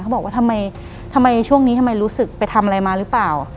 บอกว่าทำไมช่วงนี้ทำไมรู้สึกไปทำอะไรมาหรือเปล่า